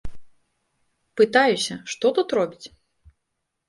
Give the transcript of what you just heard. Пытаюся, што тут робіць.